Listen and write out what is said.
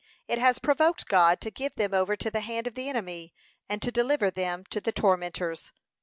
It has provoked God to give them over to the hand of the enemy, and to deliver them to the tormentors.